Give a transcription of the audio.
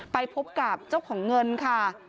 ไปพบกับเจ้าของเงินค่ะ